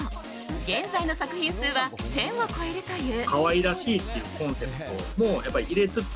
現在の作品数は１０００を超えるという。